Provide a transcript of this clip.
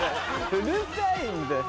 うるさいんだよ。